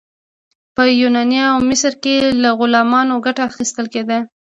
په یونان او مصر کې له غلامانو ګټه اخیستل کیده.